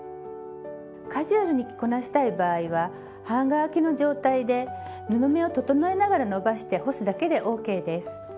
カジュアルに着こなしたい場合は半乾きの状態で布目を整えながら伸ばして干すだけでＯＫです。